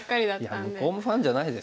いや向こうもファンじゃないですか？